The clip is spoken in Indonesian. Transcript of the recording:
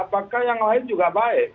apakah yang lain juga baik